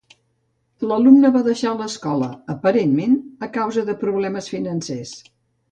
L'alumne va deixar l'escola, aparentment a causa de problemes financers.